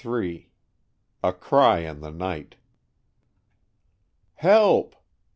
III A CRY IN THE NIGHT "Help!"